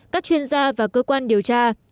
các chuyên gia và cơ quan điều tra